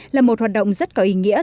là một hoạt động rất có ý nghĩa